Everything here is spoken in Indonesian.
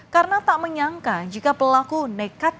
karena tak menyangka jika pelaku nekat